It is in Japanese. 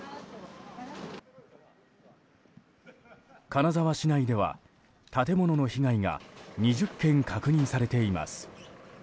金沢市内では、建物の被害が２０件が確認されています。